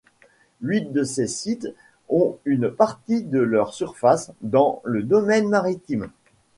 Huit de ces sites ont une partie de leur surface dans le domaine maritime.